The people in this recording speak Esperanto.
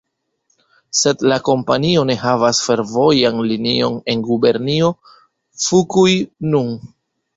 Sed la kompanio ne havas fervojan linion en Gubernio Fukui nun.